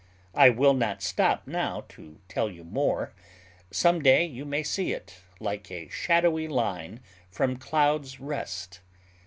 I will not stop now to tell you more; some day you may see it, like a shadowy line, from Cloud's Rest.